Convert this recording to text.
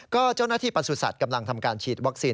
ก็เจ้าหน้าที่ประสุทธิ์กำลังทำการฉีดวัคซีน